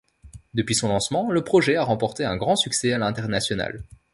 Depuis son lancement, le projet a remporté un grand succès à l'international.